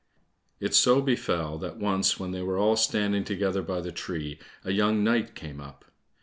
It so befell that once when they were all standing together by the tree, a young knight came up.